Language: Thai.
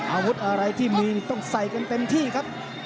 อาวุธอะไรที่มีต้องใส่กันเต็มที่ครับ